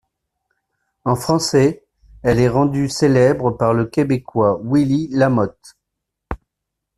En français, elle est rendue célèbre par le Québécois Willie Lamothe.